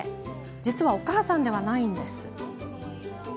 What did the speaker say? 実は、お母さんではないんです。